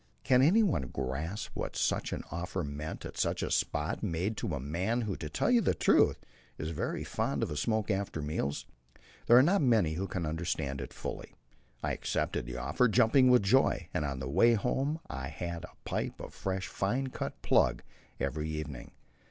Can anyone grasp what such an offer meant at such a spot, made to a man who, to tell the truth, is very fond of a smoke after meals? There are not many who can understand it fully. I accepted the offer, jumping with joy, and on the way home I had a pipe of fresh, fine cut plug every evening.